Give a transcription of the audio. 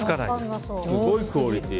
すごいクオリティー。